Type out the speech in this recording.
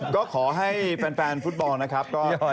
ก็ขอให้แฟนฟุตบอลนะครับ